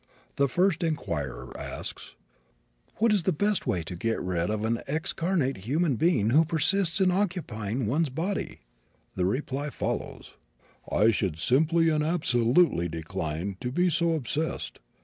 The first inquirer asks: "What is the best way to get rid of an excarnate human being who persists in occupying one's body?" The reply follows: "I should simply and absolutely decline to be so obsessed.